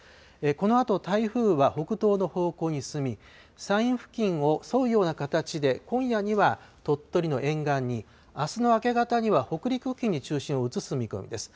このあと台風は北東の方向に進み、山陰付近を沿うような形で、今夜には鳥取の沿岸に、あすの明け方には北陸付近に中心を移す見込みです。